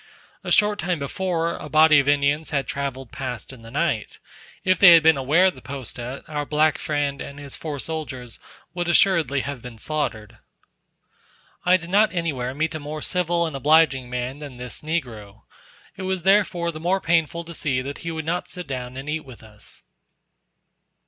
A short time before, a body of Indians had travelled past in the night; if they had been aware of the posta, our black friend and his four soldiers would assuredly have been slaughtered. I did not anywhere meet a more civil and obliging man than this negro; it was therefore the more painful to see that he would not sit down and eat with us.